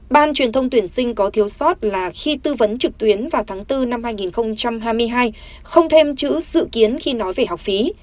ban truyền thông tuyển sinh có thiếu sót là khi tư vấn trực tuyến vào tháng bốn năm hai nghìn hai mươi hai không thêm chữ sự kiến khi nói về học phí